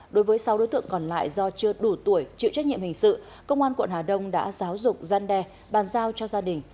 đối với sáu đối tượng còn lại do chưa đủ tuổi chịu trách nhiệm hình sự công an quận hà đông đã giáo dục gian đe bàn giao cho gia đình